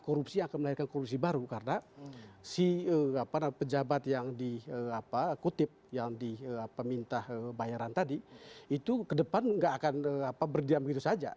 korupsi yang akan melahirkan korupsi baru karena si pejabat yang dikutip yang di minta bayaran tadi itu kedepan gak akan berguna